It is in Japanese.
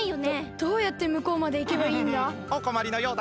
どうやってむこうまでいけばいいんだ？